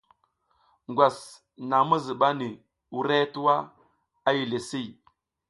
Ngwas naƞ mi zuɓa ni wurehe tuwa a yile si.